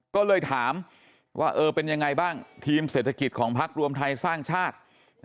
ก็เลยถามว่าเออเป็นยังไงบ้างทีมเศรษฐกิจของพักรวมไทยสร้างชาติ